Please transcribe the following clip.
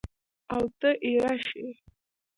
اوته اېره شې!